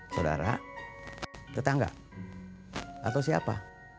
saudara tetangga atau siapa